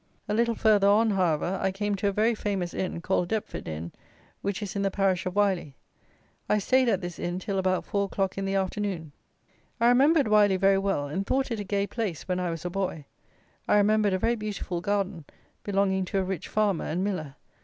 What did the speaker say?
A little further on, however, I came to a very famous inn, called Deptford Inn, which is in the parish of Wyly. I stayed at this inn till about four o'clock in the afternoon. I remembered Wyly very well, and thought it a gay place when I was a boy. I remembered a very beautiful garden belonging to a rich farmer and miller.